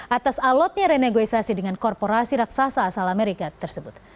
atas alotnya renegosiasi dengan korporasi raksasa asal amerika tersebut